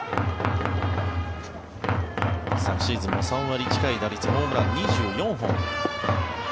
昨シーズンも３割近い打率ホームラン２４本。